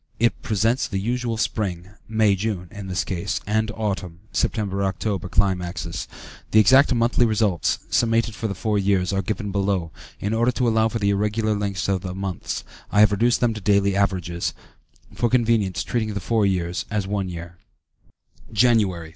It presents the usual spring (May June, in this case) and autumn (September October) climaxes. The exact monthly results, summated for the four years, are given below; in order to allow for the irregular lengths of the months, I have reduced them to daily averages, for convenience treating the four years as one year: Jan.